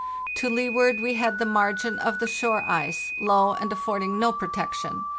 To leeward we had the margin of the shore ice, low, and affording no protection.